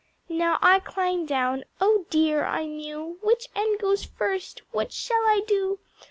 Now I climb down "Oh dear," I mew, "Which end goes first what shall I do?